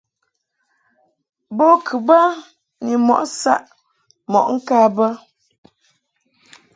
Bo kɨ bə ni mɔʼ saʼ mɔʼ ŋka bə.